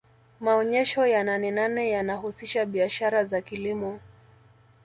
maonyesho ya nanenane yanahusisha biashara za kilimo